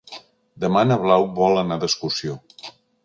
Demà na Blau vol anar d'excursió.